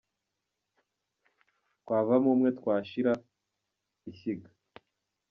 Twavamo umwe twashira:ishyiga.